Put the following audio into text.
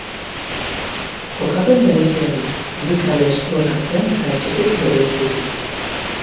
Kokapen berezia du: bi kale estuen artean eta etxetik bereizirik.